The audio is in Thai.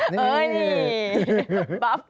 นี่ปลาฟกัน